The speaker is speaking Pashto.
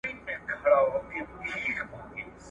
حضرت پيري خرابات په ميخانه کي نه وو